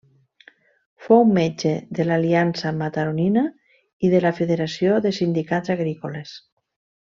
Fou metge de l'Aliança Mataronina i de la Federació de Sindicats Agrícoles.